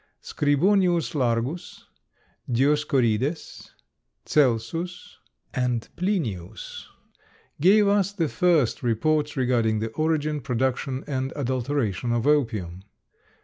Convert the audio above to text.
Scribonius Largus, Dioscorides, Celsus, and Plinius gave us the first reports regarding the origin, production, and adulteration of opium.